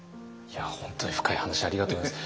本当に深い話ありがとうございます。